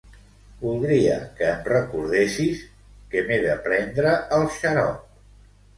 Voldria que em recordessis que m'he de prendre el xarop.